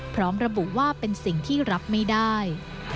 พร้อมระบุว่าเป็นสิ่งที่รับไม่ได้